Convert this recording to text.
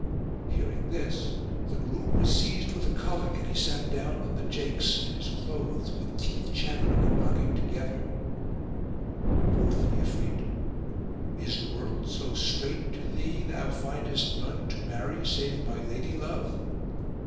Hearing this the groom was seized with a colic and he sat down on the jakes in his clothes with teeth chattering and knocking together. Quoth the Ifrit, "Is the world so strait to thee thou findest none to marry save my lady love?"